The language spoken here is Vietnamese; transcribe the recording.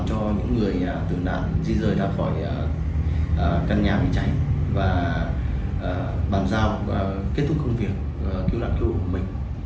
cho những người tử nạn di rời ra khỏi căn nhà bị cháy và bàn giao kết thúc công việc cứu nạn cứu hộ của mình